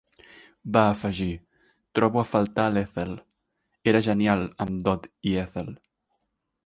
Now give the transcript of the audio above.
Va afegir, "Trobo a faltar l'Ethel, era genial amb Dot i Ethel".